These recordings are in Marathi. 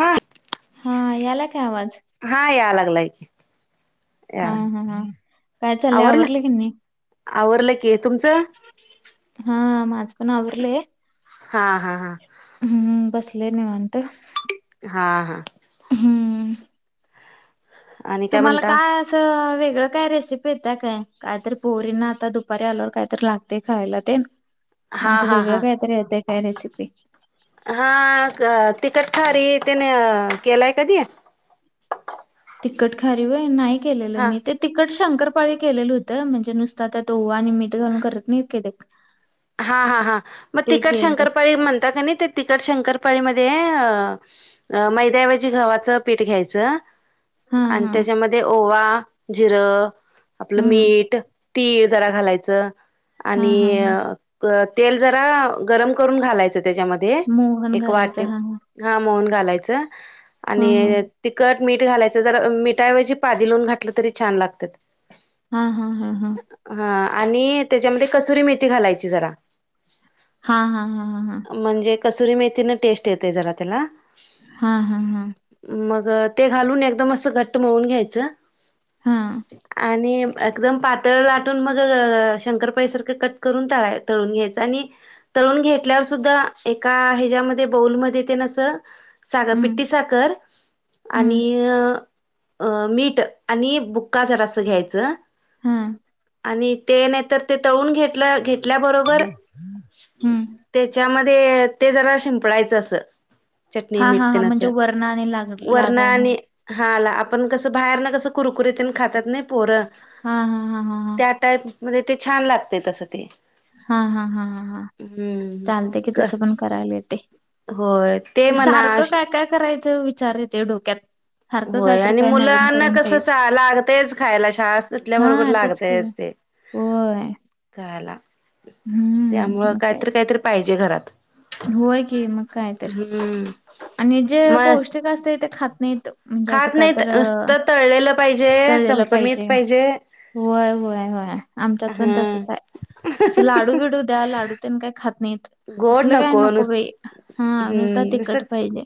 हात हा यालाय काय आवाज? हा यालागलाय कि. हा हा हा काय चाललंय आवरलं की नाही? आवरलं की, तुमचं? हा माझं पण आवरलंय. हा हा हा हम्म बसले निवंत. हा हा आणि तुम्हाला म्हणता काय अस वेगळं काय रेसिपी येतात काय? काहीतरी पोरीना आता दुपारी आल्यावर काहीतरी लागते खायला ते. [inaudible] असं हा वेगळं हा काहीतरी येत आहे काय रेसिपी? हा तिखट खारी त्याने केलाय कधी? तिखट खारी व्हय नाही केलेलं हा मी ते. तिखट शंकरपाळी केलेलं होतं म्हणजे नुसत त्यात ओवा आणि मीठ घालून करत नाहीत का ते. हा हा हां मग ते तिखट केलत शंकरपाळी म्हणता का नाही तिखट शंकरपाळी मध्ये अ मैद्याऐवजी गव्हाच पीठ घ्यायचं. हा आणि हा त्याच्यामध्ये ओवा, जिरं, आपलं हम्म मीठ ती जरा घालायचं हा आणि हा हा तेल जरा गरम करून घालायचं त्याच्यामध्ये मोहन एक घालायचं वाटी हा हा मोहन घालायचं हा आणि हा तिखट मीठ घालायचं जर मिठाऐवजी पादेलोण घातलं तरी छान लागतात. हा हा हा हा. हा आणि त्याच्यामध्ये कसुरी मेथी घालायची जरा. हा हा हा हा हा. म्हणजे कसुरी मेथीन टेस्ट येते जरा त्याला. हा हा हा. मग ते घालून एकदम असं घट्ट मळून घ्यायचं. हां. आणि एकदम पातळ लाटून मग शंकरपाईसारखं कट करून तळा तळून घ्यायचं आणि तळून घेतल्यावर सुद्धा एका ह्याच्यामध्ये बौलमध्ये ते न अस साध पिट्टी हं, साखर आणि हं, अ मीठ आणि बुक्का जरा असं घ्यायचं. हा. आणि ते नाही तरर ते तळून घेत घेतल्याबरोबर हं. त्याच्यामध्ये ते ज रा शिपडायचं असं. चटणी हां, मिठ हां, ते हां. न अस म्हणजे वरनं आणि लाग वरण लागावं आणि म्हणून. हाला आपण कसं बाहेर ना कसं कुरकुरीत खातात नाही पोरं. हां, हां, हां, हां, हां. त्या टाईप मते छान लागते तस ते. हा हा हा ह हा हम्म चालते की क तसं पण करायला येते. होय ते म्हणा सारखं काय काय करायचं विचार येते डोक्यात. सारखं होय काहीतरी आणि काय नवीन मुलांना करून कस तेच. लागतयच खायला शाळा सुटल्याबरोबर हां, तेच की. लागतेयच ते. होय. खायला हं, त्यामुळं मग काय काहीतरी तर. काहीतरी पाहिजे घरात. होय की मग काय तर. हम्म. आणि जे मग पौष्टिक असते ते खात नाहीत. म्हणजे असं खात काय नाही तर अ, नुसतं तळलेलं पाहिजे, चमचमीत पाहिजे. होय होय होय आमच्यात पण हं तसच आहे. अस लाडू बिडू द्या लाडू त्यान काय खात नाहीत. गोड असलं काय नको बाई हा नुसतं नुसता हम्म तिखट पाहिजे.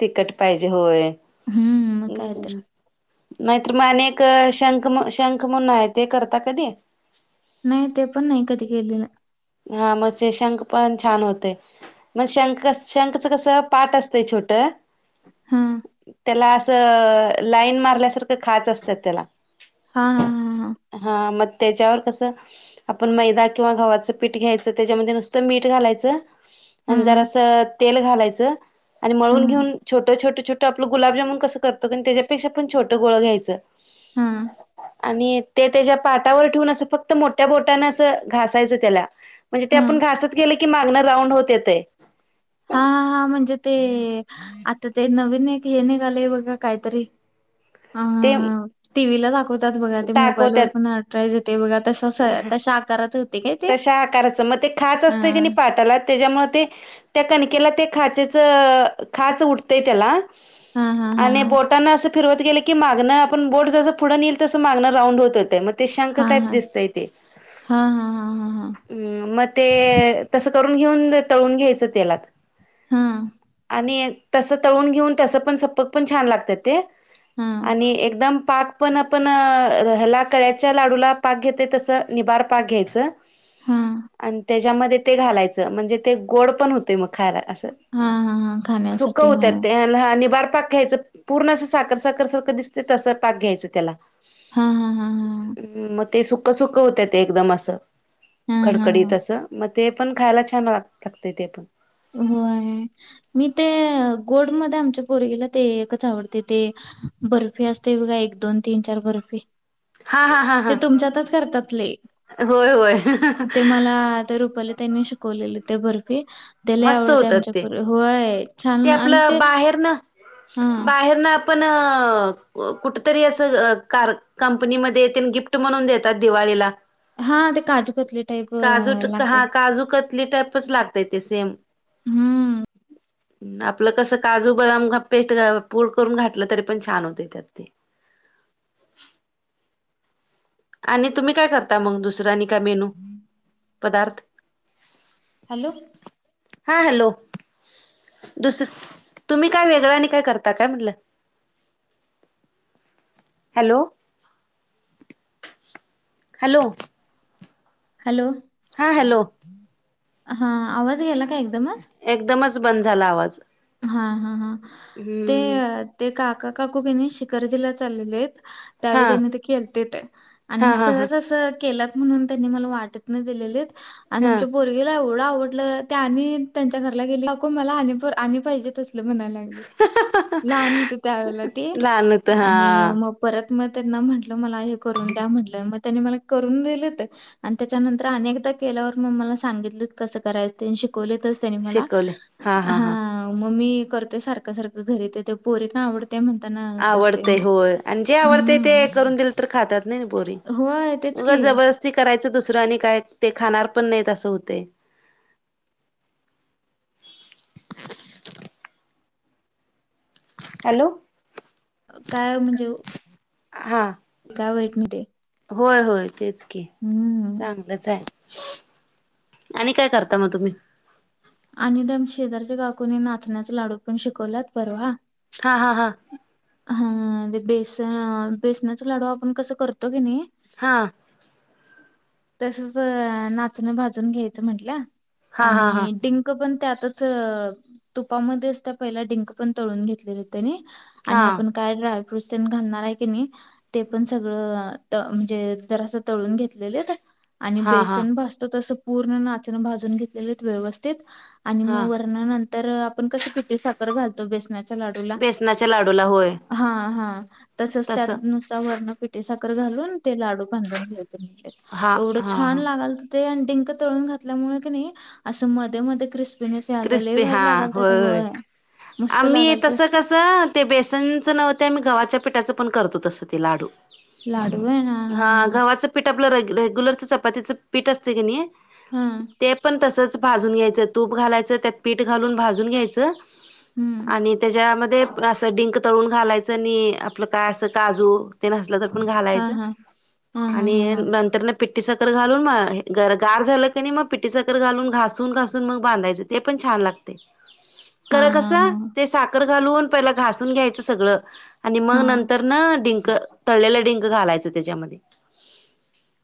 तिकट पाहिजे हम्म मग काय तर होयम्. नाहीतर मग आणि एक शंख शंख म्हण आहे ते करता कधी? नाही ते पण नाही कधी केले नाही. हा म्हणजे शंख पण छान होते. मग शंख शंखच कस पाठ असतं छोट हा त्याला अस. लाईन मारल्यासारखं खाच असतात त्याला. हा हा हा हा. हा, मग त्याच्यावर कसं आपण मैदा किंवा गावच पीठ घ्यायचं, त्याच्यामध्ये नुसतं मीठ घालायचं आणि जरा हम्म असं तेल घालायचं. आणि मळून हम्म घेऊन छोटं छोटं छोटं आपलं गुलाबजामन कसं करतो का, त्याच्यापेक्षा पण छोटं गोळ घ्यायचं. हम्म आणि ते त्याच्या पाटावर ठेवून असं फक्त मोठ्या बोटाने असं घासायचं त्याला. म्हणजे ते हा आपण घासत गेलं की मागनं राऊंड होत होते ते. हा, हा, म्हणजे ते आता ते नवीन निघे निघालय बघा, काहीतरी. ह. ते टीव्हीला दाखवतात बघा, ते मोबाईलवर पण ॲडव्हर्टाईस येते बघा, तशी अं, तशा आकाराचं मग ते खाच हा असते की नाही पाटाला. त्याच्यामुळे ते त्या कणिकेला ते खाचेच खाच उठते त्याला. हा हा हा आणि बोटांना असं फिरवत गेलं की की मागणं आपण बोट जस पुढं नेलं तसं मागं राऊंड होतं ते, मग ते शंख हा टाईप हा दिसतं. हह, हा हा हा हा म ते. तसं करून घेऊन तळून घ्यायचं तेलात. हा. आणि तसं तळून घेऊन तसं पण सपक पण छान लागत्यात ते हा आणि एकदम पाक. पण आपण ह्याला कळ्याच्या लाडूला पाक घेतेय तसं निबार पाक घ्यायचं. हा हा आणि त्याच्यामध्ये ते घालायचं, म्हणजे ते गोड पण होतंय. ते मग खायला असं हां, हां, हां. सुकं खाण्यासाठी होत्यात हां. ते. हा, निबार पाक घ्यायचं, पूर्ण असं साखर साखर सारखं दिसतं तसं पाक घ्यायचं त्याला. हां, हां, हां, हां. हम्म, मग ते सुख सुख होतं ते एकदम असं. हां, हां, कडकडी हां. असं, मग ते पण खायला छान लागतं ते पण. होय, मी ते गोडमध्ये, आमच्या पोरगीला ते एकच आवडते ते. बर्फी असते बघा, एक, दोन, तीन, चार बर्फी. हा हा. हा ते हा तुमच्यातच करतात लई होय होय ते, मला ते रुपाली ताईंनी शिकवलं. शिकवलेलं ते बर्फी ते लई मस्त आवडत होतात आमच्या ते कडं होय, छान, आणि ते हम. पण कुठेतरी असं कार कंपनीमध्ये येतं, गिफ्ट म्हणून देतात दिवाळीला. हा, ते काजूकतली टाईप काजू हा लागतं. काजू कतली टाईपच लागतंय ते, सेम. हं. आपलं कसं काजू बदाम पेस्ट पूड करून घातलं तरी पण छान होते त्यात ते. आणि तुम्ही काय करता? मंग दुसरा आणि काय मेनू पदार्थ? हॅलो, हा, हॅलो, दुसरं तुम्ही काय वेगळं आणि काय करता, काय म्हणलं? Hello, hello. हॅलो. हां हॅलो. हा, आवाज गेला का एकदमच? एकदमच बंद झाला आवाज. हा, हा, हा. ते हम्म ते काका काकू किनी शिकारी जिल्ह्यात चाललेले आहेत. त्यावेळी हा त्यांनी ते केलतं त आणि हा हा हा सहज असं केलात म्हणून त्यांनी मला वाटीतन दिलेले. आणि हा आमच्या पोरगीला एवढं आवडलं त्यानी, त्यांच्या घरला गेले, काकू मला [unintelligible] आणि पाहिजे तसलं म्हणायला लाग लहान होती त्यावेळेला ती लहान होत हा आणि म परत मग त्यांना म्हंटलं, मला हे करून द्या म्हटलं, मग त्यांनी मला करून दिलं ते. आणि त्याच्यानंतर अनेकदा केल्यावर मग मला सांगितलं कसं करायचं ते. शिकवलं तसं तेनी मला. हा, मग मी करते सारखं सारखं घरी तर ते पोरींना आवड ते म्हणता ना आवडते होय आणि जे आवडतेय ते करून दिलं तर खातात ना पोरी. होय, तेच की. उगच जबरदस्ती करायचं दुसरं आणि काय ते खाणार पण नाही असं होतयं. हॅलो, काय म्हणजे हां. काय वाईट नाही ते होय होय, तेच की. हं. चांगलंचयं आणि काय करता मग तुम्ही. आणि दम शेजारच्या काकूनी नाचण्याचं लाडू पण शिकवल्यात परवा हा, हा, हां. हा ते बेसन, बेसनाचे लाडू आपण कसं करतो की नाही, हां. तसंच नाचनी भाजून घ्यायचं म्हंटलं हा हा हा आणि डिं पण त्यातच तुपामध्येच तं पहिला डिंक पण तळून घेतलेला तेनी आणि आपण हा काय ड्रायफ्रूटस त्यांनी घालणारयं की नी ते पण सगळं म्हणजे जरासं तळून घेतलेलं आणि हा हा बेसन भाजतो तसं पूर्ण नाचनं भाजून घेतलेलेत व्यवस्थित आणि हां. ंतर नंतर आपण कसं पिठी साखर घालतो बेसनाच्या लाडूला बेसनाच्या लाडूला होय हा हा, तसंच त्यात तसं नुसतं वरनं पिठी साखर घालून ते लाडू बांधून घ्याय हा एवढं हा छान हा ला ते डिंक तळून घातल्यामुळे कनी असं मधे मधे क्रिस [unintelligible] लई भारी लागातेत होय, मस्त आम्ही लागातेत. तसं ते बेसनचं नव्हतं आम्ही गव्हाच्या पिठाचं पण करतो तसं ते लाडू. हा, गव्हाचं पीठ आपलं रेग्युलरच चपातीचं पीठ असतं किनी हा ते पण तसंच भाजून घ्यायचं, तूप घालाय यचं त्यात पीठ घालून भाजून घ्यायचं हम्म आणि त्याच्यामध्ये असं डिंक तळून घालायचं नी आपलं काय असं काजू ते नसलं तर पण हा घालायचं हा हा हा हा आणि हा नंतरनं पिट्टी साखर घालून गार झालं की नाय मग पिट्टी साखर घालून, घासून घासून मग बांधायचं. ते पण छान लागतंय. हा हा [unintelligible] ते सात घालून पहिलं घासून घ्यायचं सगळं आणि मग हा नंतरनं डिंक, तळलेलं डिंक घालायचं त्याच्यामध्ये.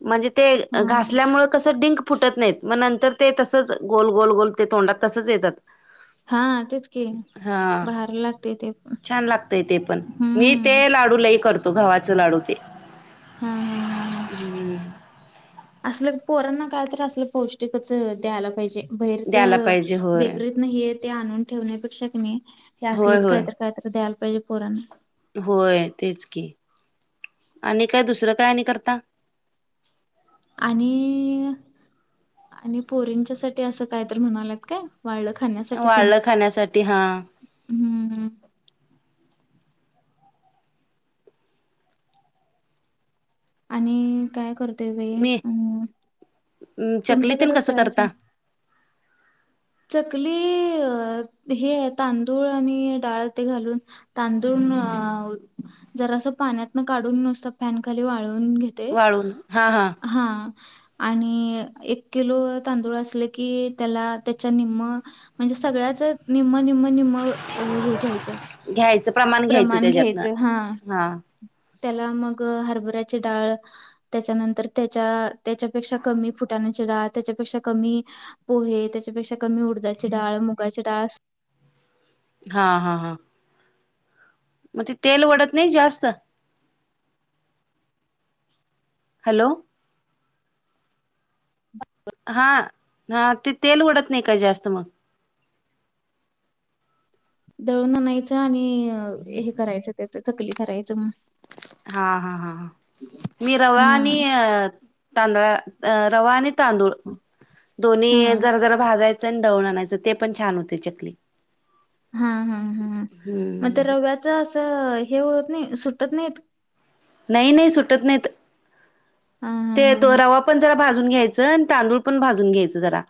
म्हजी ते हा हा घासल्यामूळं कसं डिंक फुटत नाहीत मग नंतर ते तसच गोल, गोल, गोल ते तोंडात तसंच येतात. हा तेच की हा, भारी लागतय ते पण छान लागतय ते पण, मी ते हम्म लाडू लई करतो, घवाचे लाडू ते. हा हा हा हा. असल पोरांना काय तर असलं पौष्टिकच द्यायला पाहिजे, बैरच द्यायला पाहिजे होय बेकरीत नाही हे ते आणून ठेवण्यापेक्षा क नाही, हे होय असलंच होय काहीतर काहीतर द्यायला पाहिजे पोरांसना. होय तेच की, आणि काय दुसरं काय आणि करता? आणि, आणि पोरींच्या साठी असं काय तर म्हणाल्यात काय? वाळ्ळं खानं. वाळलं खाण्यासाठी हां. हम्म हं. आणि काय करतोय बई म् चकलीतन कसं करता? चकली हेऽ तांदूळ आणि डाळ ते घालून तांदूळ जरासं पाण्यातन काढून नुसत फॅन खाली वाळवून घेत ते, वाळून हा हा आणि एक किलो तांदूळ असलं की त्याला, त्याच्या निम्म म्हणजे सगळ्याच निम्म निम्म निम्म हे घ्यायचं प्रमाण घ्यायचं त्याच्यातन, हा. त्याला मग हरभऱ्याची डाळ त्याच्यानंतर त्याच्या, त्याच्यापेक्षा कमी फ चटाण्याची डाळ, त्याच्यापेक्षा कमी पोहे त्याच्यापेक्षा कमी उडदायाची डाळ मुगाची डाळ हा हा हा. मग ते तेल वढत नाही जास्त? हॅलो! हा हा, ते तेल वढत नाही काय जास्त मग. दळून आणायचं आणि हे करायचं त्याच, चकली करायचं मग. हा हा हा, मी रवा हा आणि अ तांदळा, रवा आणि तांदूळ, हा दोन्ही जरा जरा भाजायच आणि दळुन आनायच ते पण छान होते चकली. हा हम्म हम्म, मग ते हम्म रव्याच असं हे होत नाही, सुटत नाहीत. नाही नाही सुटत नाहीत, हा हा ते हा हा दोरावा पण जरा भाजून घ्यायचं, आणि तांदूळ पण भाजून घ्यायचं जरा.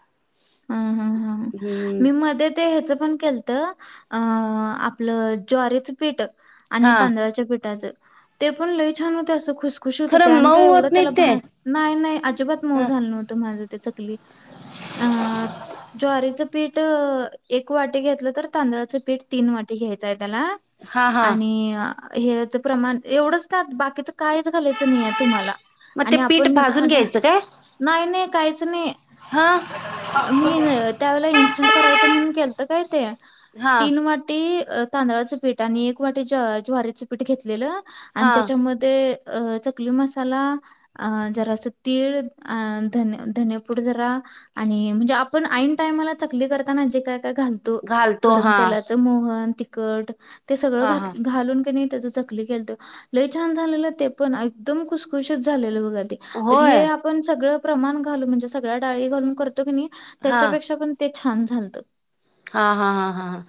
हा हा हा, हम्म मी मध्ये ते ह्याच पण केलं अ आपलं ज्वारीेच पीठ आणि हा तांदळाच्या पीठाचं. ते पण लई छान होतय, असं खुश खुशीत होतय खरं आणि काय मऊ एवढं होत नाही त्याला, ते नाही नाही अजिबात मऊ ह झालं नव्हतं माझं त्याच चकली. अं ज्वारीचं पीठ एक वाटी घेतलं तर तांदळाचं पीठ तीन वाटी घ्यायचंय त्याला हा हा आणि हेचं प्रमाण, एवढंच त्यात, बाकीचं काहीच घालायचं नाहीय तुम्हाला. मग ते आणि पीठ आपण, भाजून घ्यायचं काय नाही नाही काहीच नाही. हा. मी त्यावेळेला इनस्टंट करायचं म्हणून केलतं काय ते, हा तीन वाटी तांदळाचं पीठ आणि एक वाटी ज्वारीचं पीठ घेतलेलं, आणि हा त्याच्यामध्ये ते अ चकली मसाला अ जरासं तीळ अ धन धने पूड जरा आणि मजे आपण एन टाईमाला चकली करताना जे काय काय घालतो, घालतो गरम हा तेलात च मोहन, तिखट ते सगळं हा घ हा घालून त्या चकली केलतो,,, लई छान झालेलं ते पण, एकदम खुसखुशीत झालेल बघा ते होय हे आप आपण सगळं प्रमाण घालून म्हणजे सगळ्या डाळी घालून करतो की नाही, हा त्याच्यापेक्षा पण ते छान झालतं. हा हा हा हां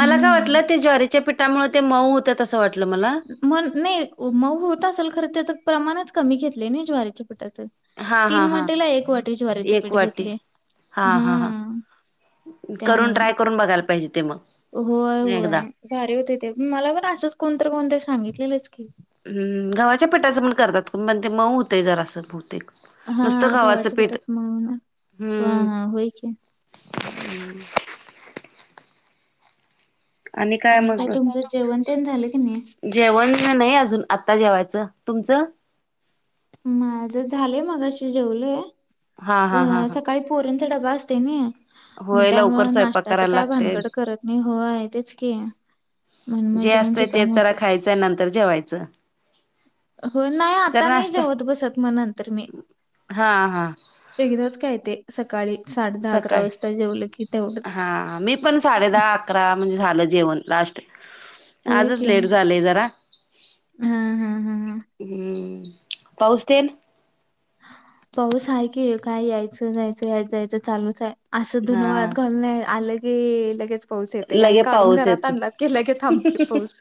मला काय वाटलं, ते ज्वारीच्या पिठामुळे ते मऊ होतंय तसं वाटलं मला. अं नाही, मऊ होत असेल खरं त्याच प्रमाणच कमी घेतलय नाही ज्वारीच्या पिटाचं. हा हा तीन हा वाटीला एक वाटी ज्वारीेचे एक पीठ वाटी घेतलय,, हा. करून त्यामुळं. ट्राय करून बघायला पाहिजे ते मग. होय एकदा होय भारी होतय ते,, मला पण असंच कोणत कोणतरी सांगितलेलंच की. हम्म, गव्हाच्या पिठाचं पण करतात, पण पण ते मऊ होतय जरासं ते हा गव्हाच्या पिठाच म्हणून, हां हां होय की. हम्म आणि काय तुमचं जेवण तेन झालं की नाही? जेवण नाही अजून, आत्ता जेवायचं तुमच? माझं झालंय मगाशी जेवलोय, हा हा हा अं हा सकाळी पोरींचा डब्बा असतोय नाई. मग होय लवकर त्यामुळे स्वयंपाक नाश्त्याचं करायला काय लागते भानगड करत नाही, होय तेच की. म्हजे मग जिऊन रिकामं हुतोय. च्या नंतर जेवायचं. होय नाही आता जरा नाही नाश्ता जेवत बसत मग नंतर मी. हा हा एकदाच काय ते. सकाळी साडे दहा अकरा सकाळी वाजता जेवलं कि तेवढच. हा मी पण साडे दहा अकरा म्हणजे झालं जेवण लास्ट, होय आजच की लेट झालंय जरा. हा हा हा हा हम्म, पाऊस ते पाऊस आहे की, काय यायचं नाहीयचं या जायचं चालूच आहे. असं धुनं वाळत हा घालुन आलं कि आलंच लगेच. पाऊस येतय आणि लगे काढून पाऊस घरात येते. आणलं कि लगे थांबतय पाऊस.